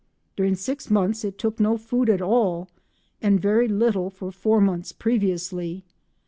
During six months it took no food at all, and very little for four months previously.